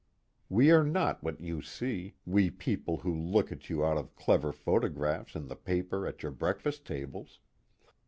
_ _We are not what you see, we people who look at you out of clever photographs in the paper at your breakfast tables.